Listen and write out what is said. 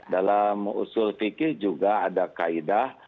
dalam usul fikih juga ada kaedah